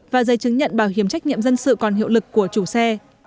và giấy chứng nhận bảo hiểm trách nhiệm dân sự còn hiệu lực của chủ xe